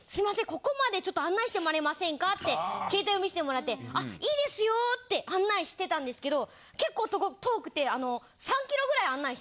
ここまでちょっと案内してもらえませんかって携帯を見せてもらってあいいですよって案内してたんですけど結構遠くて。